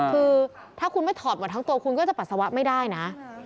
คือถ้าคุณไม่ถอดหมดทั้งตัวคุณก็จะปัสสาวะไม่ได้นะ